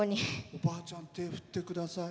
おばあちゃん手、振ってください。